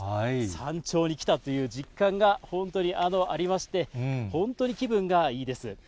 山頂に来たという実感が本当にありまして、本当に気分がいいです。